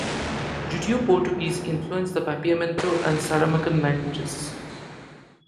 Judeo-Portuguese influenced the Papiamento and Saramaccan languages.